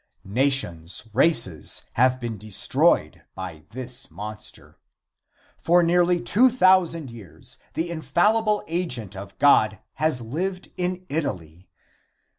Nations, races, have been destroyed by this monster. For nearly two thousand years the infallible agent of God has lived in Italy.